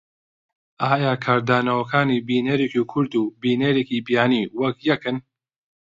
ئایا کاردانەوەکانی بینەرێکی کورد و بینەرێکی بیانی وەک یەکن؟